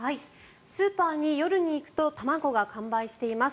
スーパーに夜に行くと卵が完売しています。